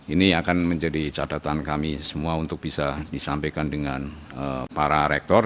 ini akan menjadi catatan kami semua untuk bisa disampaikan dengan para rektor